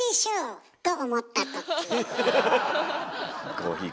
コーヒー。